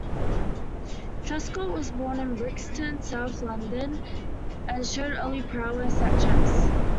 Truscott was born in Brixton, south London, and showed early prowess at chess.